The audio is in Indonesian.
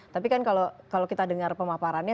tapi kan kalau kita dengar pemaparannya